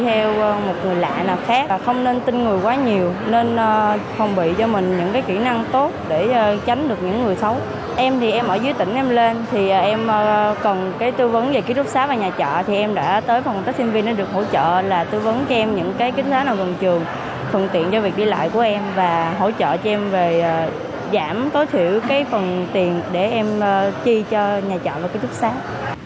em đã tới phòng tác sinh viên để được hỗ trợ là tử vong cho em những cái kính giá nào gần trường phần tiện cho việc đi lại của em và hỗ trợ cho em về giảm tối thiểu cái phần tiền để em chi cho nhà chọn và cái chức sát